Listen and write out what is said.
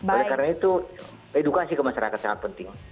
oleh karena itu edukasi ke masyarakat sangat penting